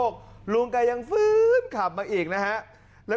ข้างไหนอ่ะ